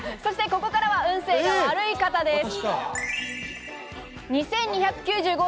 ここからは運勢が悪い方です。